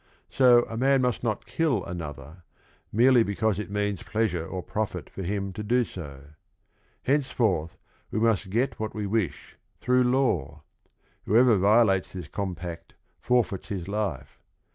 So a man must not kill another, merely because it means pleasure or profit to him to do so. Hence forth we must get what we wish through law. Whoever violates this compact forfeits his life.